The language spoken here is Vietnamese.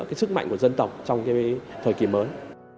cái sức mạnh của dân tộc trong cái thời kỳ mới